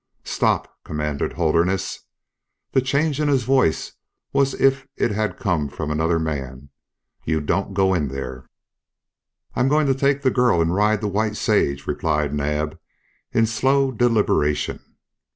"Stop!" commanded Holderness. The change in his voice was as if it had come from another man. "You don't go in there!" "I'm going to take the girl and ride to White Sage," replied Naab, in slow deliberation.